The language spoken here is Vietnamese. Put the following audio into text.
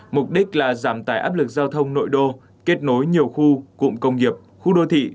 mục đích là giảm tài áp lực giao thông nội đô kết nối nhiều khu cụm công nghiệp khu đô thị